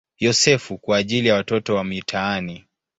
Yosefu" kwa ajili ya watoto wa mitaani.